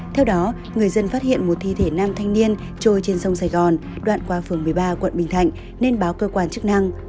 theo đó người dân phát hiện một thi thể nam thanh niên trôi trên sông sài gòn đoạn qua phường một mươi ba quận bình thạnh nên báo cơ quan chức năng